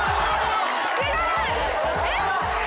すごい！